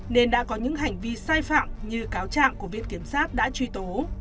nên đã có những hành vi sai phạm như cáo trạng của viện kiểm sát đã truy tố